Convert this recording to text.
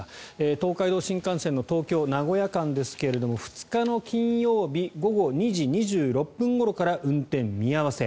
東海道新幹線の東京名古屋間ですが２日の金曜日午後２時２６分ごろから運転見合わせ。